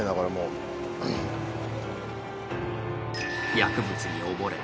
薬物に溺れ